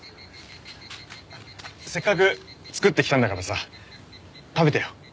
せっかく作ってきたんだからさ食べてよ。